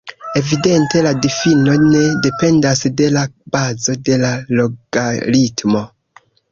Evidente la difino ne dependas de la bazo de la logaritmo.